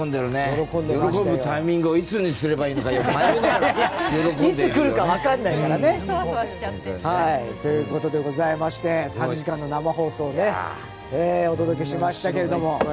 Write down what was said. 喜ぶタイミングをいつにすればいいのか迷いながら喜んでるね。ということでございまして３時間の生放送でお届けしましたけれども。